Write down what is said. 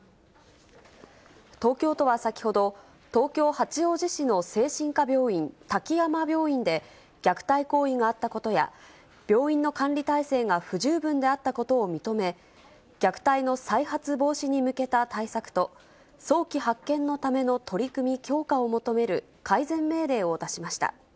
東京都は先ほど、東京・八王子市の精神科病院、滝山病院で、虐待行為があったことや、病院の管理体制が不十分であったことを認め、虐待の再発防止に向けた対策と、早期発見のための取り組み強化を求める改善命令を出しました。